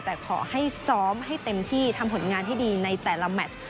แต่ขอให้ซ้อมให้เต็มที่ทำผลงานให้ดีในแต่ละแมท